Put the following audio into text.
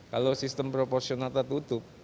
kalau sistem proporsional tak tutup